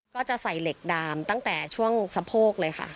ก็จะใส่เหล็กดามตั้งแต่ช่วงสะโพกเลยค่ะ